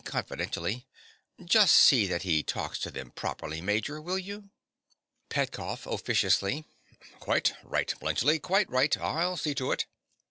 (confidentially). Just see that he talks to them properly, Major, will you? PETKOFF. (officiously). Quite right, Bluntschli, quite right. I'll see to it.